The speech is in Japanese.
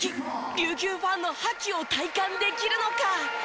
琉球ファンの覇気を体感できるのか！？